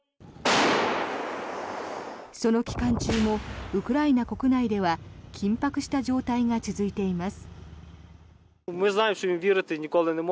その期間中もウクライナ国内では緊迫した状態が続いています。